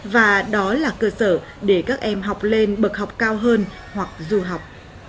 và đó là cơ sở để các em học lên bậc học cao hơn hoặc du học